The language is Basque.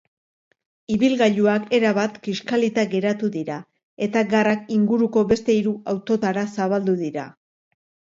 Ibilgailuak erabat kiskalita geratu dira eta garrak inguruko beste hiru autotara zabaldu dira.